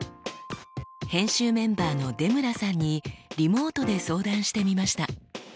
編集メンバーの出村さんにリモートで相談してみました。